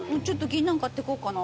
銀杏買ってこうかな。